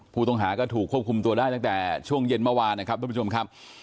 ผู้ต้องหาก็ถูกควบคุมตัวได้ตั้งแต่ช่วงเย็นเมื่อวานนะครับทุกผู้ชมครับ